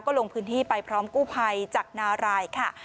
ลงพื้นที่ไปพร้อมกู้ภัยจากนารายค่ะ